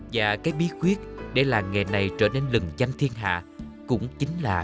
và cái bí quyết để làng nghề này trở nên lừng danh thiên hạ cũng chính là